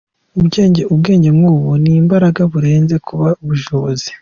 Ubwenge nk’ubu ni imbaraga ; burenze kuba ubushobozi.